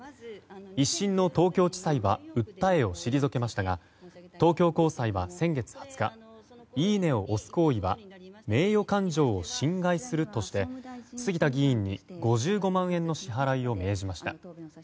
１審の東京地裁は訴えを退けましたが東京高裁は先月２０日いいねを押す行為は名誉感情を侵害するとして杉田議員に５５万円の支払いを命じました。